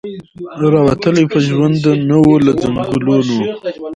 را وتلی په ژوند نه وو له ځنګلونو